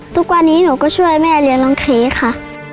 ทุกวันนี้หนูก็ช่วยแม่เลี้ยงน้องเค้กค่ะ